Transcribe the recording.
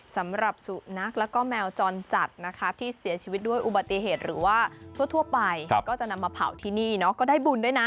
สำหรับสุนัขแล้วก็แมวจรจัดนะคะที่เสียชีวิตด้วยอุบัติเหตุหรือว่าทั่วไปก็จะนำมาเผาที่นี่เนาะก็ได้บุญด้วยนะ